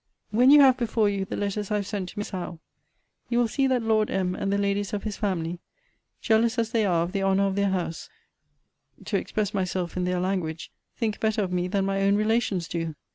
When you have before you the letters I have sent to Miss Howe, you will see that Lord M. and the Ladies of his family, jealous as they are of the honour of their house, (to express myself in their language,) think better of me than my own relations do.